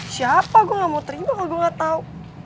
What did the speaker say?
siapa gue ga mau terima kok gue ga tau